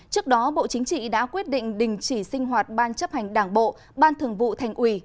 trước đó bộ chính trị đã quyết định đình chỉ sinh hoạt ban chấp hành đảng bộ ban thường vụ thành ủy